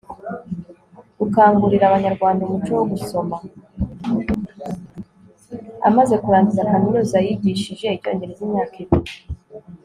amaze kurangiza kaminuza, yigishije icyongereza imyaka ibiri